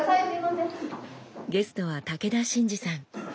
ゲストは武田真治さん。